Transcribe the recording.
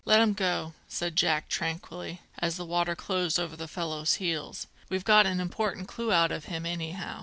"Let him go," said Jack tranquilly, as the water closed over the fellow's heels; "we've got an important clue out of him, anyhow."